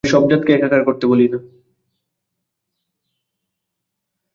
আমি সব জাতকে একাকার করতে বলি না।